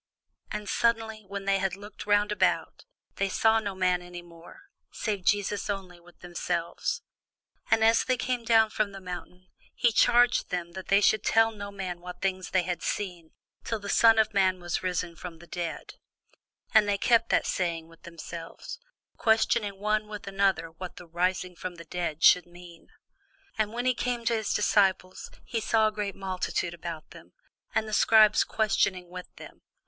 And suddenly, when they had looked round about, they saw no man any more, save Jesus only with themselves. And as they came down from the mountain, he charged them that they should tell no man what things they had seen, till the Son of man were risen from the dead. And they kept that saying with themselves, questioning one with another what the rising from the dead should mean. [Illustration: THE TRANSFIGURATION, BY RAPHAEL IN THE VATICAN, ROME] And when he came to his disciples, he saw a great multitude about them, and the scribes questioning with them.